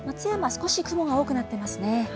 少し雲が多くなっていますね。